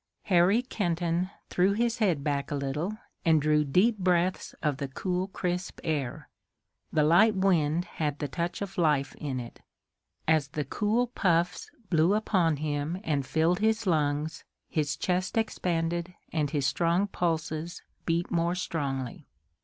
Harry Kenton threw his head back a little and drew deep breaths of the cool, crisp air. The light wind had the touch of life in it. As the cool puffs blew upon him and filled his lungs his chest expanded and his strong pulses beat more strongly.